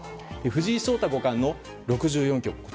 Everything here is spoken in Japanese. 藤井聡太五冠は６４局。